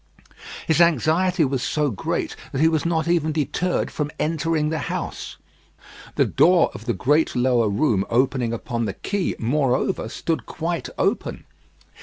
His anxiety was so great that he was not even deterred from entering the house. The door of the great lower room opening upon the Quay, moreover, stood quite open.